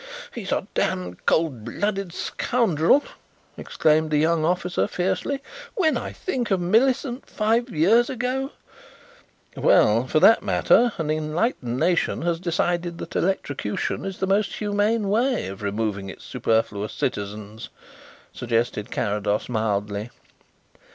"He is a damned cold blooded scoundrel!" exclaimed the young officer fiercely. "When I think of Millicent five years ago " "Well, for that matter, an enlightened nation has decided that electrocution is the most humane way of removing its superfluous citizens," suggested Carrados mildly.